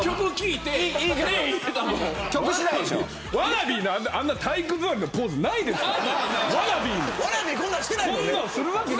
ワナビーにあんな体育座りのポーズないですから。